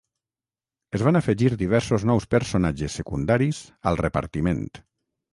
Es van afegir diversos nous personatges secundaris al repartiment.